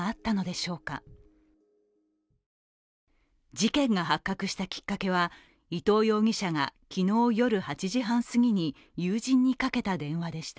事件が発覚したきっかけは、伊藤容疑者が昨日夜８時半すぎに友人にかけた電話でした。